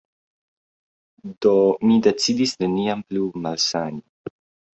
Do, mi decidis neniam plu malsani.